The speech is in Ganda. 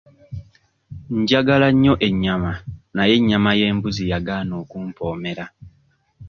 Njagala nnyo ennyama naye ennyama y'embuzi yagaana okumpoomera.